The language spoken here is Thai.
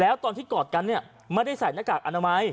แล้วตอนที่กอดกันเนี่ยไม่ได้ใส่หน้ากากอนามัย